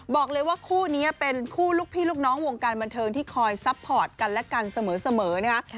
บอกเลยว่าคู่นี้เป็นคู่ลูกพี่ลูกน้องวงการบันเทิงที่คอยซัพพอร์ตกันและกันเสมอนะคะ